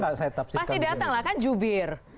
pasti datang lah kan jubir